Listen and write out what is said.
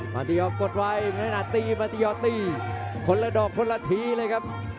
มาตี้ยอร์กดไว้มาตี้ยอร์ตีคนละดอกคนละทีเลยครับ